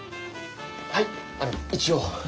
はいあの一応。